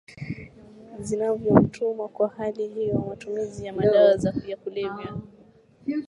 zinavyomtuma Kwa hali hiyo matumizi ya madawa ya kulevya